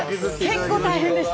結構大変でした。